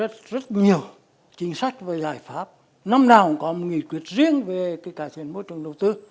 rất rất nhiều chính sách và giải pháp năm nào cũng có một nghị quyết riêng về cái cải thiện môi trường đầu tư